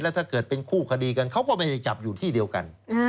ถ้าเกิดเป็นคู่คดีกันเขาก็ไม่ได้จับอยู่ที่เดียวกัน